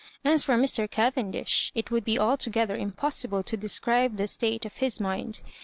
As for Mr. Cavendish, it would be altogether impos sible to describe the state of his mind.